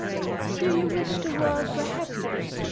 Do you wish the world were happy?